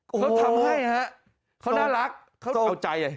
โอ้โฮเขาทำให้ครับเขาน่ารักเขาเอาใจเลย